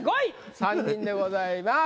３人でございます。